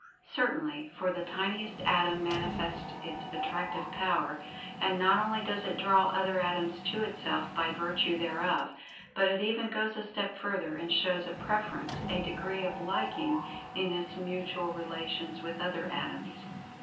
Certainly, for the tiniest Atom manifests its Attractive Power, and not only does it draw other atoms to itself by virtue thereof, but it even goes a step further, and shows a "preference"—a degree of "liking" in its mutual relations with other atoms.